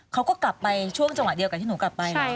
เขาก็กลับไปช่วงจังหวะเดียวกับที่หนูกลับไป